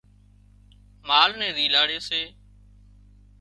مال نين زيلاڙي سي